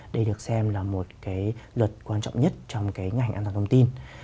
đây được xem là một cái luật quan trọng nhất trong cái ngành an toàn thông tin